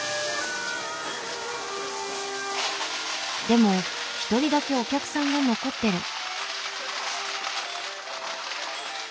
でも一人だけお客さんが残ってる。